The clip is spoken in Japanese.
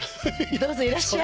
どうぞいらっしゃい。